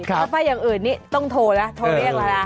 ถ้าว่าภายอย่างอื่นนี้ต้องโทรแล้ว